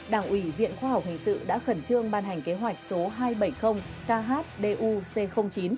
đảng ủy viện khoa học hình sự đã khẩn trương ban hành kế hoạch số hai trăm bảy mươi khdu c chín